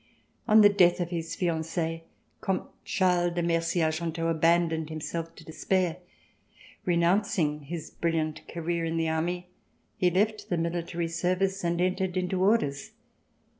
On the death of his fiancee, Comte Charles de Mercy Argenteau abandoned himself to despair. Re nouncing his brilliant career in the army, he left the military service and entered into orders.